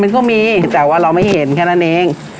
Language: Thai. มันก็มีแต่ว่าเราไม่เห็นแค่นั้นเอง